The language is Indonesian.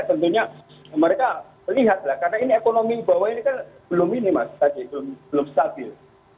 mungkin tentunya mereka lihat lah karena ini ekonomi bawah ini kan belum minimal belum stabil